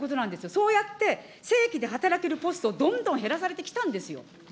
そうやって、正規で働けるポストどんどん減らされてきたんですよ。